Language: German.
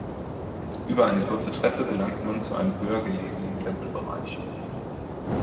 Über eine kurze Treppe gelangt man zu einem höher gelegenen Tempelbereich.